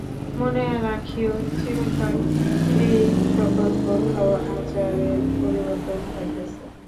মনে রাখিও, চিরকালই এই-সকল প্রথা ও আচারের পরিবর্তন হইতেছে।